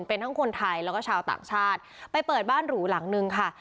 เป็นทั้งคนไทยแล้วก็ชาวต่างชาติไปเปิดบ้านหรูหลังนึงค่ะ